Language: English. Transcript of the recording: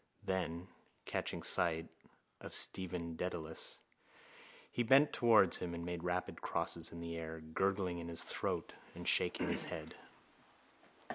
Then, catching sight of Stephen Dedalus, he bent towards him and made rapid crosses in the air, gurgling in his throat and shaking his head.